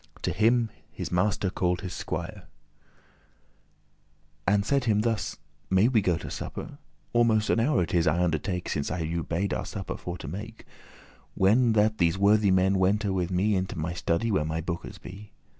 To him this master called his squier, And said him thus, "May we go to supper? Almost an hour it is, I undertake, Since I you bade our supper for to make, When that these worthy men wente with me Into my study, where my bookes be."